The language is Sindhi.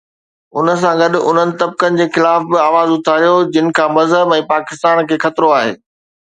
ان سان گڏ انهن طبقن جي خلاف به آواز اٿاريو، جن کان مذهب ۽ پاڪستان کي خطرو آهي.